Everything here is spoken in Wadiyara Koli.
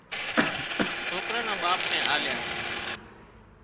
سوڪرا نا ٻاپ نين آليا